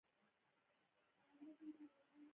دا سړی ډېر صادق و.